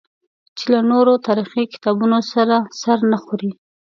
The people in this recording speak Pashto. چې له نورو تاریخي کتابونو سره سر نه خوري.